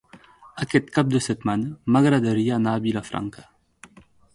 Aquest cap de setmana m'agradaria anar a Vilafranca.